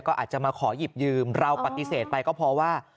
ก็อาจจะมาขอหยิบยืมเราปฏิเสธไปก็เพราะว่า